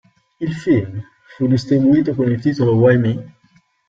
Il film fu distribuito con il titolo "Why Me?